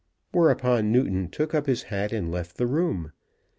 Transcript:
Whereupon Newton took up his hat and left the room.